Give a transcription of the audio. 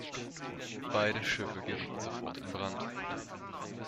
Beide Schiffe gerieten sofort in Brand.